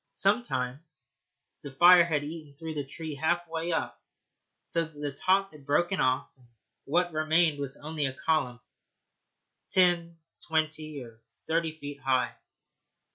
Sometimes the fire had eaten through the tree halfway up, so that the top had broken off, and what remained was only a column, ten, twenty, or thirty feet high.